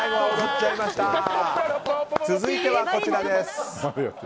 続いてはこちらです。